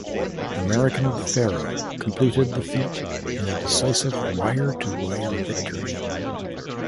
American Pharoah completed the feat in a decisive wire to wire victory.